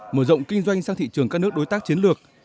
mở rộng kinh doanh sang thị trường các nước đối tác chiến lược